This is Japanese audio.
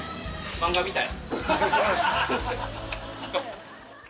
漫画みたい。